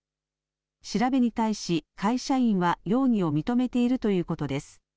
調べに対し会社員は容疑を認めているということです。